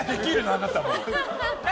あなたは。